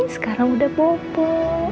sekarang udah bobo